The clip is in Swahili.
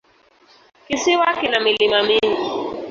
Kisiwa kina milima mingi.